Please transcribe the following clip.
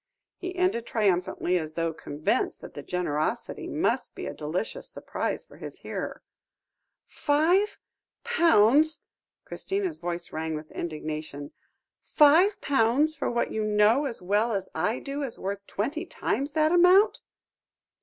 he ended triumphantly, as though convinced that the generosity must be a delicious surprise for his hearer. "Five pounds!" Christina's voice rang with indignation "five pounds for what you know as well as I do is worth twenty times that amount."